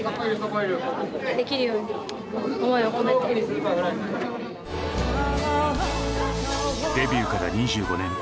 平和なデビューから２５年。